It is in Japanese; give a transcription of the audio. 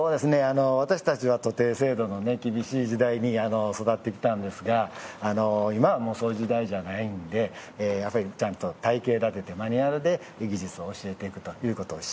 私たちは徒弟制度の厳しい時代に育ってきたんですが今は、もうそういう時代じゃないのでちゃんと体系立ててマニュアルで技術を教えていくということを。